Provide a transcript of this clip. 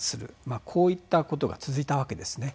まあこういったことが続いたわけですね。